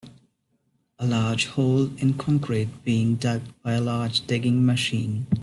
A large hole in concrete being dug by a large digging machine.